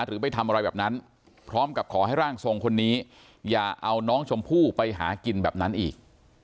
หรือไปทำอะไรแบบนั้นพร้อมกับขอให้ร่างทรงคนนี้อย่าเอาน้องชมพู่ไปหากินแบบนั้นอีก